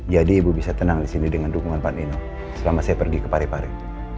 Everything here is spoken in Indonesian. jadi ibu bisa tenang di sini dengan dukungan pak nino selama saya pergi ke pari pari